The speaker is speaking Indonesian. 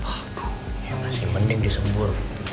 aduh ya masih mending disembur